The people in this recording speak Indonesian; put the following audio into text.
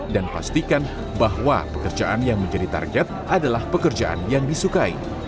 dan pastikan bahwa pekerjaan yang menjadi target adalah pekerjaan yang disukai